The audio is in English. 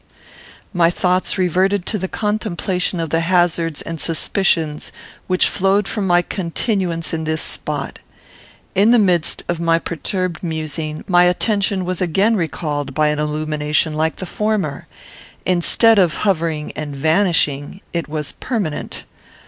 My thoughts reverted to the contemplation of the hazards and suspicions which flowed from my continuance in this spot. In the midst of my perturbed musing, my attention was again recalled by an illumination like the former. Instead of hovering and vanishing, it was permanent.